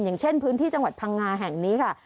อย่างเช่นพื้นที่จังหวัดพังงาแห่งนี้ค่ะ